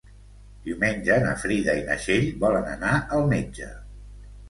Diumenge na Frida i na Txell volen anar al metge.